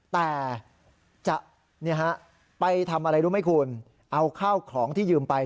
แต่จะไปทำอะไรรู้ไหมคุณเอาข้าวของที่ยืมไป